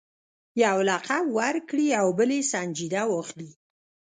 یو لقب ورکړي او بل یې سنجیده واخلي.